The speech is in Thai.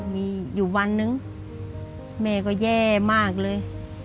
มีอยู่วันนึงแม่ก็แย่มากเลย